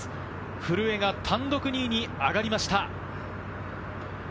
古江が単独２位に上がりました。